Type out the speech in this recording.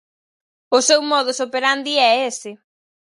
O seu modus operandi é ese.